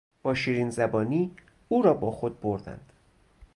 با شیرینزبانی او را با خود بردند.